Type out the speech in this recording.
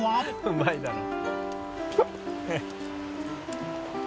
「うまいだろ」